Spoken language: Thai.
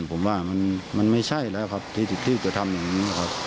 ผมว่ามันไม่ใช่แล้วครับที่จะทำอย่างนี้ครับ